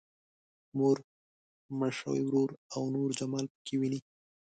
مور، مړ شوی ورور او نور جمال پکې ويني.